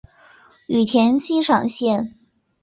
羽田机场线